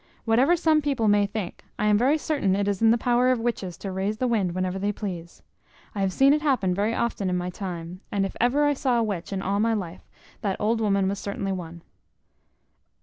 Whatever some people may think, I am very certain it is in the power of witches to raise the wind whenever they please. I have seen it happen very often in my time: and if ever I saw a witch in all my life, that old woman was certainly one.